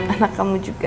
anak kamu juga